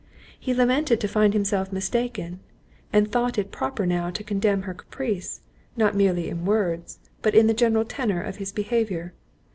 He lamented to find himself mistaken, and thought it proper now to condemn her caprice, not merely in words, but in the general tenor of his behaviour.